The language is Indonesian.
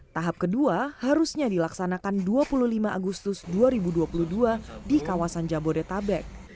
tahap kedua harusnya dilaksanakan dua puluh lima agustus dua ribu dua puluh dua di kawasan jabodetabek